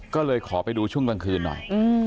ก็เลยขอไปดูช่วงกลางคืนหน่อย